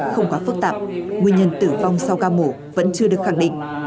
không quá phức tạp nguyên nhân tử vong sau ca mổ vẫn chưa được khẳng định